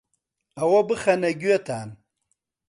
ئەوە بخەنە گوێتان